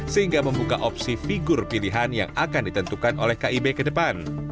sehingga membuka opsi figur pilihan yang akan ditentukan oleh kib ke depan